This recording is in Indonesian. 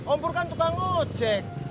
ampur kan tukang ojek